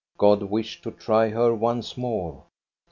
God wished to try her once more.